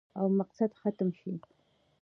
او مقصد ختم شي